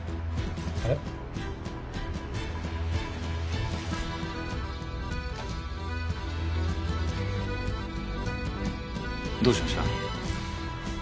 えっ？どうしました？